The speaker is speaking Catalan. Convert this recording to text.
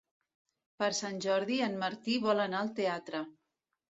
Per Sant Jordi en Martí vol anar al teatre.